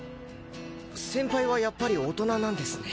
先輩はやっぱり大人なんですね。